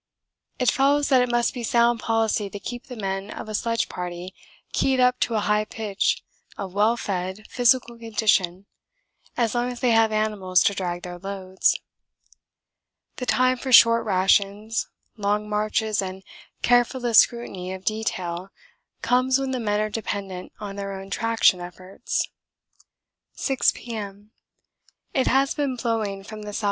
It follows that it must be sound policy to keep the men of a sledge party keyed up to a high pitch of well fed physical condition as long as they have animals to drag their loads. The time for short rations, long marches and carefullest scrutiny of detail comes when the men are dependent on their own traction efforts. 6 P.M. It has been blowing from the S.W.